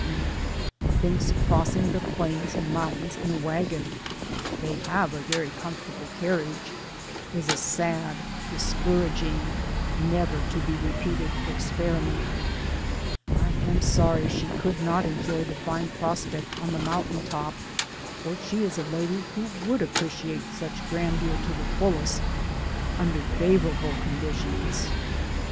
232 DAYS ON THE ROAD. Thinks crossing the plains and mountains in a wagon (they have a very comfortable car riage) is a sad, discouraging, never to be repeated experiment. I am sorry she could not enjoy the fine prospect on the mountain top, for she is a lady who would appreciate such grandeur to the fullest under favorable circumstances.